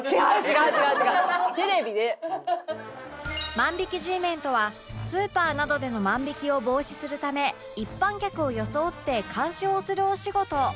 万引き Ｇ メンとはスーパーなどでの万引きを防止するため一般客を装って監視をするお仕事